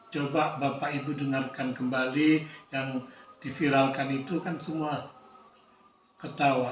coba bapak ibu dengarkan kembali yang diviralkan itu kan semua ketawa